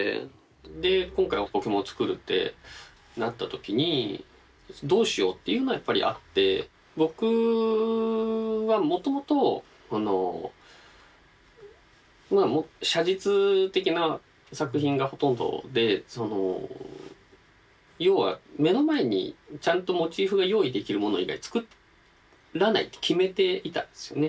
で今回はポケモン作るってなった時にどうしようっていうのはやっぱりあって僕はもともと写実的な作品がほとんどで要は目の前にちゃんとモチーフが用意できるもの以外作らないって決めていたんですよね。